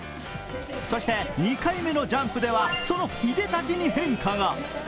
そして２回目のジャンプでは、そのいでたちに変化が。